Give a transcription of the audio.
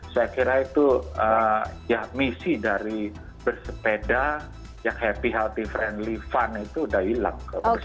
saya kira itu ya misi dari bersepeda yang happy healthy friendly fund itu udah hilang